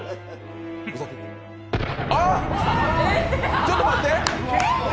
あっ、ちょっと待って。